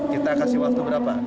kita kasih waktu berapa